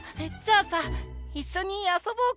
あさいっしょにあそぼうか？